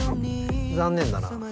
残念だな。